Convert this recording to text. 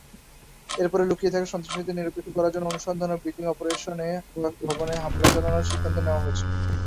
এরপরে লুকিয়ে থাকা সন্ত্রাসীদের নিরপেক্ষ করার জন্য অনুসন্ধান ও বিল্ডিং অপারেশনে ভবনে হামলা চালানোর সিদ্ধান্ত নেওয়া হয়েছিল।